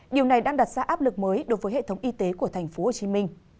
điều này đang đặt ra áp lực mới đối với hệ thống y tế của tp hcm